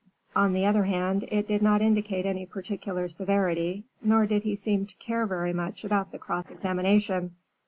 On the other hand, it did not indicate any particular severity, nor did he seem to care very much about the cross examination.